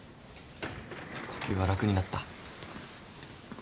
呼吸は楽になった？